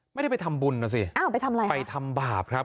ไม่ได้ไปทำบุญนะสิอ้าวไปทำอะไรไปทำบาปครับ